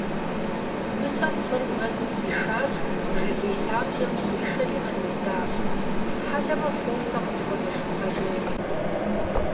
Мыщэм лӀыр мэзым хишащ, жыгей лъабжьэм щӀишэри къриудащ: - Устхьэлэмэ, фор сэ къысхуэнэжынкъэ, жери.